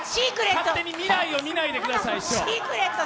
勝手に未来を見ないでください。